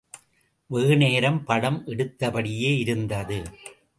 வெகுநேரம் படம் எடுத்தபடியே இருந்தது.